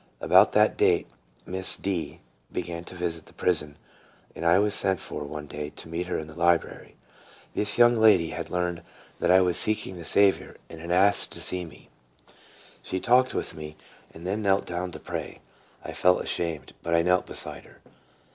About that date Miss D be gan to visit the prison, and I was sent for one day to meet her in the library. This young lady had learned that I was seeking the Saviour, and had asked to see me. She talked with me, and then knelt down to pray. BEHOLD, HE PRAYETH. 27 I felt ashamed, but 1 knelt beside her.